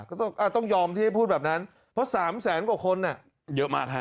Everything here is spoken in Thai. ก็ต้องยอมที่ให้พูดแบบนั้นเพราะ๓แสนกว่าคนเยอะมากฮะ